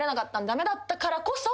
駄目だったからこそ。